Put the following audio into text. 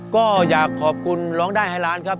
ก็อยากขอบคุณร้องได้ให้ล้านครับ